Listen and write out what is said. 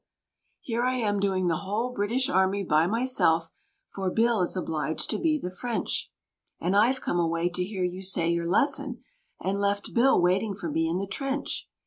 Here am I doing the whole British Army by myself, for Bill is obliged to be the French; And I've come away to hear you say your lesson, and left Bill waiting for me in the trench.